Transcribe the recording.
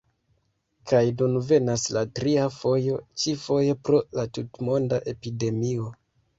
Kaj nun venas la tria fojo, ĉi-foje pro la tutmonda epidemio.